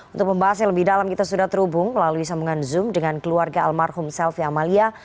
untuk pembahas yang lebih dalam kita sudah terhubung melalui sambungan zoom dengan keluarga almarhum selvi amalia